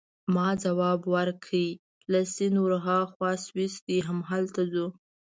ما ځواب ورکړ: له سیند ورهاخوا سویس دی، همالته ځو.